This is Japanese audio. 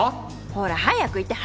ほら早く行って！